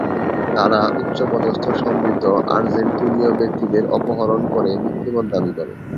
তারা উচ্চ পদস্থ সমৃদ্ধ আর্জেন্টিনীয় ব্যক্তিদের অপহরণ ক'রে মুক্তিপণ দাবি করে।